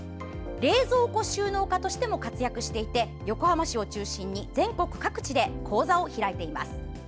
冷蔵庫収納家としても活躍していて横浜市を中心に全国各地で講座を開いています。